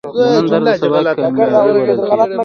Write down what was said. د نن درد د سبا کامیابی بلل کېږي.